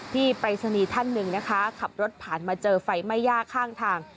ที่ใบสนีท่านหนึ่งขับรถผ่านมาเจอไฟไหม้ยากข้างทาง